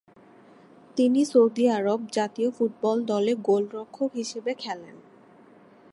তিনি সৌদি আরব জাতীয় ফুটবল দলে গোলরক্ষক হিসেবে খেলেন।